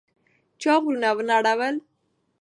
چا غرونه ونړول؟